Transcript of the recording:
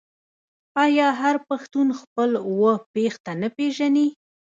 آیا هر پښتون خپل اوه پيښته نه پیژني؟